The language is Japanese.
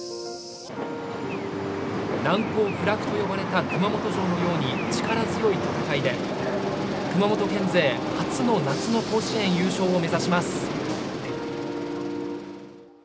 難攻不落と呼ばれた熊本城のように力強い戦いで熊本県勢初の夏の甲子園優勝を目指します。